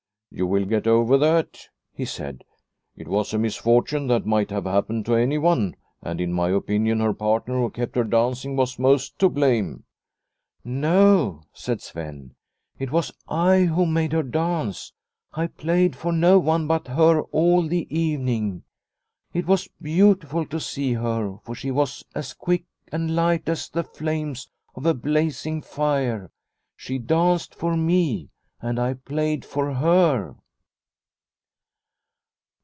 " You will get over that," he said. " It was a misfortune that might have hap pened to anyone, and in my opinion her partner who kept her dancing was most to blame." "No," said Sven; "it was I who made her dance. I played for no one but her all the evening. It was beautiful to see her, for she was as quick and light as the flames of a blazing fire. She danced for me and I played for her."